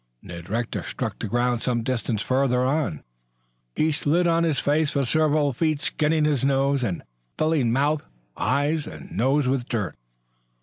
Ned Rector struck the ground some distance farther on; he slid on his face for several feet skinning his nose, and filling mouth, eyes and nose with dirt.